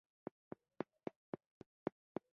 د بخار او خلا په واسطه تصفیه معموله طریقه ده